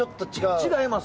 違います。